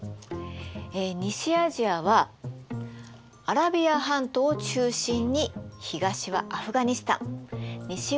西アジアはアラビア半島を中心に東はアフガニスタン西はトルコ。